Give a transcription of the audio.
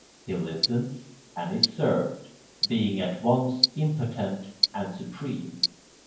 He listens and is served, being at once impotent and supreme.